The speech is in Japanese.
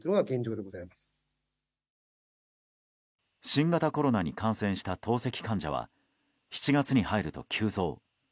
新型コロナに感染した透析患者は、７月に入ると急増。